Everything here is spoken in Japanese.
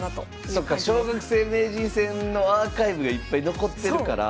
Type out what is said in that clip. そっか小学生名人戦のアーカイブがいっぱい残ってるから。